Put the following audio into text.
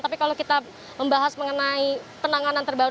tapi kalau kita membahas mengenai penanganan terbaru